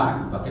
và cái vật chém